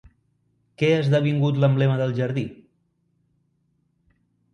Què ha esdevingut l'emblema del jardí?